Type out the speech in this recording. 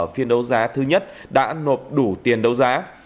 phiên đấu giá thứ nhất đã nộp đủ tiền đấu giá